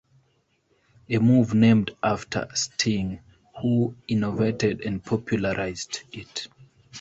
A move named after Sting, who innovated and popularized it.